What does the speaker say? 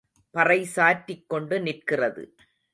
பறை சாற்றிக் கொண்டு நிற்கிறது.